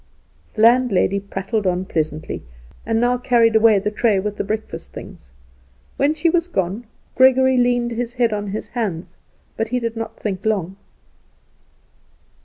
The landlady prattled on pleasantly, and now carried away the tray with the breakfast things. When she was gone Gregory leaned his head on his hands, but he did not think long.